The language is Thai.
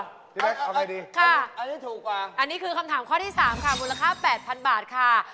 อะไรดีค่ะอันนี้ถูกกว่าอันนี้คือคำถามข้อที่๓ค่ะมูลค่า๘๐๐๐บาทค่ะ